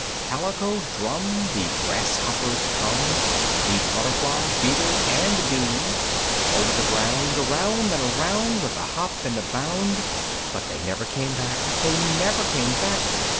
IV. Calico Drum, The Grasshoppers come, The Butterfly, Beetle, and Bee, Over the ground, Around and around, With a hop and a bound But they never came back! They never came back!